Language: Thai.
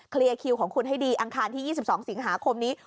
คิวของคุณให้ดีอังคารที่๒๒สิงหาคมนี้